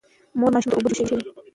مور ماشومانو ته اوبه جوشوي.